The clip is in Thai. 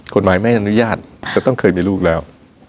ไม่อนุญาตจะต้องเคยมีลูกแล้ว